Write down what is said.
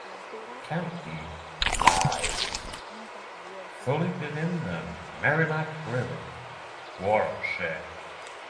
Campton lies fully within the Merrimack River watershed.